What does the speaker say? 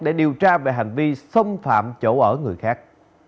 để điều tra về hành vi xâm phạm chỗ ở người khác